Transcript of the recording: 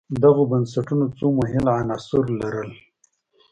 دغو بنسټونو څو مهم عناصر لرل.